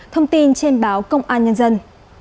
thông tin trên báo công an nhân dân